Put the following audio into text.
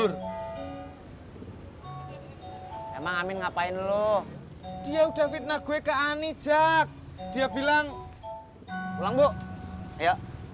siom mamai kekapur kita minta tolong jual